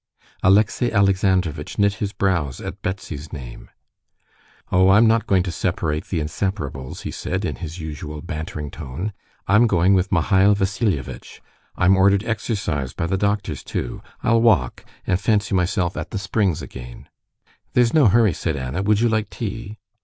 Alexey Alexandrovitch knit his brows at Betsy's name. "Oh, I'm not going to separate the inseparables," he said in his usual bantering tone. "I'm going with Mihail Vassilievitch. I'm ordered exercise by the doctors too. I'll walk, and fancy myself at the springs again." "There's no hurry," said Anna. "Would you like tea?"